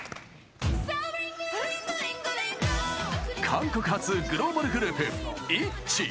韓国発グローバルグループＩＴＺＹ。